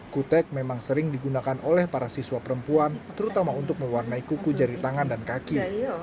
kutek memang sering digunakan oleh para siswa perempuan terutama untuk mewarnai kuku jari tangan dan kaki